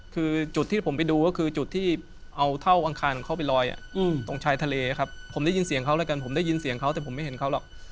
คือจุดที่ผมไปดูก็คือจุดที่เอาเท่าอังคารของเขาไปลอยตรงชายทะเลครับผมได้ยินเสียงเขาแล้วกันผมได้ยินเสียงเขาแต่ผมไม่เห็นเขาหรอก